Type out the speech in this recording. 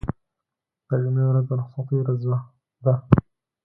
د جمعې ورځ د رخصتۍ ورځ ده.